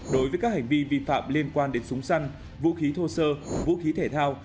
đối với các hành vi vi phạm liên quan đến súng săn vũ khí thô sơ vũ khí thể thao